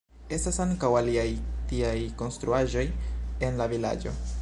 Estas ankaŭ aliaj tiaj konstruaĵoj en la vilaĝo.